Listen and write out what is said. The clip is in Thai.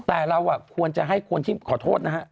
แต่เราควรจะให้คนที่ขอโทษนะฮะ